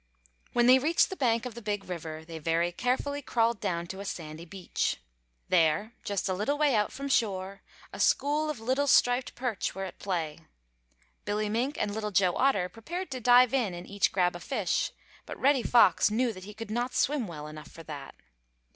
When they reached the bank of the Big River they very carefully crawled down to a sandy beach. There, just a little way out from shore, a school of little striped perch were at play. Billy Mink and Little Joe Otter prepared to dive in and each grab a fish, but Reddy Fox knew that he could not swim well enough for that.